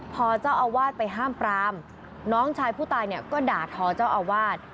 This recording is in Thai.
พอเจ้าอาวาสไปห้ามปรามน้องชายผู้ตายเนี่ยก็ด่าทอเจ้าอาวาส